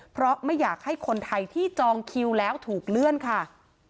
เพราะไม่อยากให้คนไทยที่จองคิวแล้วถูกเลื่อนค่ะ